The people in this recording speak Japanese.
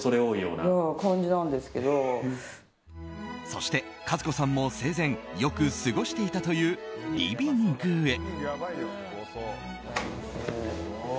そして数子さんも生前よく過ごしていたというリビングへ。